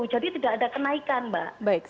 jadi tidak ada kenaikan mbak